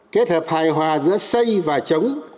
kết hợp hài hòa giữa xây và chống